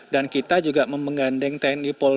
dan kita juga memegandeng tni polri saat pol ppt